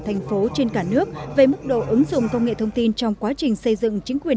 thành phố trên cả nước về mức độ ứng dụng công nghệ thông tin trong quá trình xây dựng chính quyền